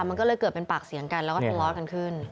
มันก็เลยเกิดเป็นปากเสียงกันแล้วก็ทะเลาะกันขึ้น